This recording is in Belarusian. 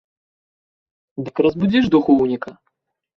Дык разбудзі ж духоўніка!